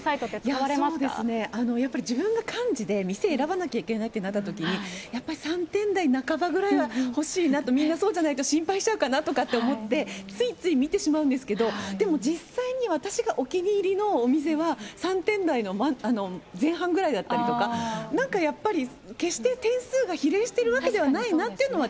そうですね、やっぱり自分が幹事で店選ばなきゃいけないってなったときに、やっぱり３点台半ばぐらいは欲しいなと、みんなそうじゃないと心配しちゃうかなとかって思って、ついつい見てしまうんですけど、でも実際に私がお気に入りのお店は、３点台の前半ぐらいだったりとか、なんかやっぱり、決して点数が比例しているわけではないなというのは、